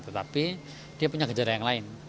tetapi dia punya gejala yang lain